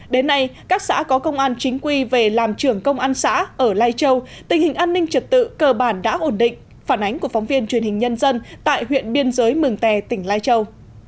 đến nay các xã có công an chính quy về làm trưởng công an xã ở lai châu tình hình an ninh trật tự cơ bản đã ổn định phản ánh của phóng viên truyền hình nhân dân tại huyện biên giới mường tè tỉnh lai châu